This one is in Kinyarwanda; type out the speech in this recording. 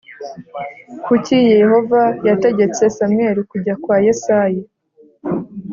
Kuki yehova yategetse samweli kujya kwa yesayi